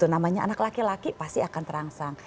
namanya anak laki laki pasti akan terangsang